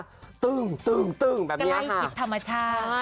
กระเบื้องติดธรรมชาว